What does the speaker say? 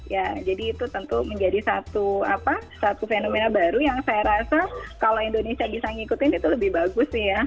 ya jadi itu tentu menjadi satu fenomena baru yang saya rasa kalau indonesia bisa ngikutin itu lebih bagus sih ya